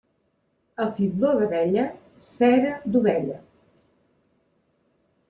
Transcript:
A fibló d'abella, cera d'ovella.